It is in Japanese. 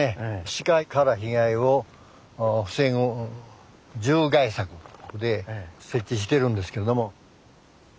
鹿から被害を防ぐ獣害柵で設置してるんですけれども。